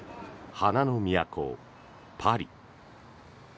花の都、パリ。